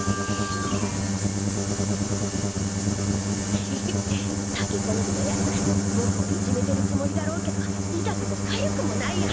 ヘヘヘッタケコングのやつぼくをいじめてるつもりだろうけど痛くもかゆくもないや。